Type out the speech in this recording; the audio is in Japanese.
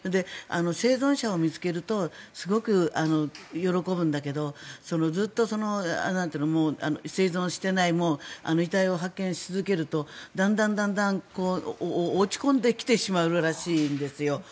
生存者を見つけるとすごく喜ぶんだけどずっと、生存していない遺体を発見し続けるとだんだん落ち込んできてしまうらしいんです。